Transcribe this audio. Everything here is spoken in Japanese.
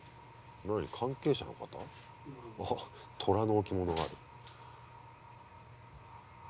何関係者の方？あっ虎の置物がある。